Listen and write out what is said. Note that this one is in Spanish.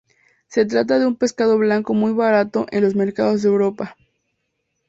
Se trata de un pescado blanco muy barato en los mercados de Europa.